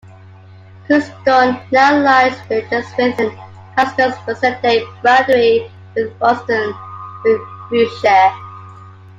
Crookston now lies just within Glasgow's present-day boundary with Ralston, Renfrewshire.